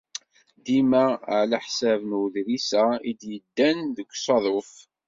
Dima ɛlaḥsab n uḍris-a i d-yeddan deg usaḍuf.